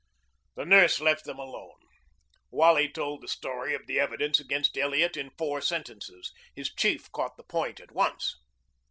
The nurse left them alone. Wally told the story of the evidence against Elliot in four sentences. His chief caught the point at once.